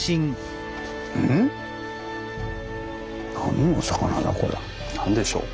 うん？何でしょう？